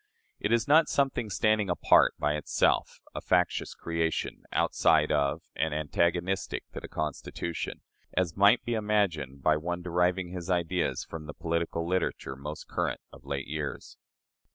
It is not something standing apart by itself a factious creation, outside of and antagonistic to the Constitution as might be imagined by one deriving his ideas from the political literature most current of late years.